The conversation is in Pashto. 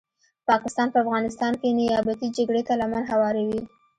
پاکستان په افغانستان کې نیابتې جګړي ته لمن هواروي